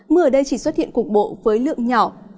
mưa ở đây chỉ xuất hiện cục bộ với lượng nhỏ